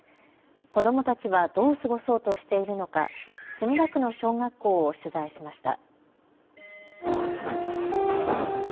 子どもたちはどう過ごそうとしているのか墨田区の小学校を取材しました。